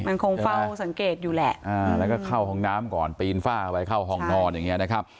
มันคงเฝ้าสังเกตอยู่แหละแล้วก็เข้าห้องน้ำก่อนปีนฝ้าไปเข้าห้องนอนอย่างเงี้นะครับ